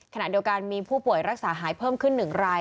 ขณะเดียวกันมีผู้ป่วยรักษาหายเพิ่มขึ้น๑ราย